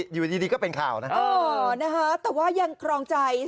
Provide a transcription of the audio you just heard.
อยู่ดีก็เป็นข่าวนะ